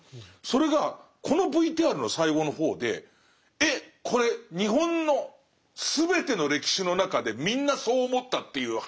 それがこのＶＴＲの最後の方でえっこれ日本の全ての歴史の中でみんなそう思ったっていう話？という。